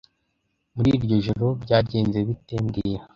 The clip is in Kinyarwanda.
Muri iryo joro byagenze bite mbwira